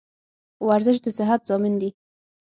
ورزش دصحت ضامن دي.